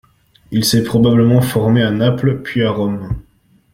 Il s’est probablement formé à Naples, puis à Rome.